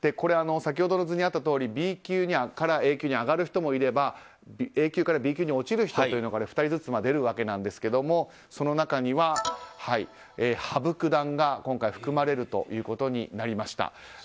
先ほどの図にあったとおりＢ級からＡ級に上がる人もいればＡ級からＢ級に落ちる人というのが２人ずつ出るわけなんですがその中には羽生九段が含まれることになりました。